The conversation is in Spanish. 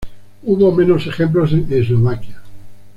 Hubo menos ejemplos en Eslovaquia.